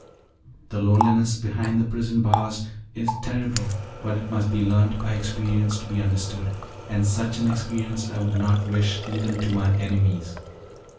The loneliness behind the prison bars is terrible, but it must be learnt by experience to be understood, and such an experience I would not wish even to my enemies.